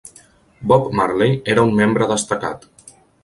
Bob Marley era un membre destacat.